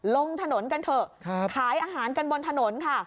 ลงถนนกันเถอะขายอาหารกันบนถนนค่ะ